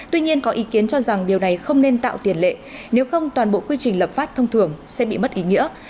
tuy nhiên có ý kiến cho rằng điều này không nên tạo tiền lệ nếu không toàn bộ quy trình lập pháp thông thường sẽ bị mất ý nghĩa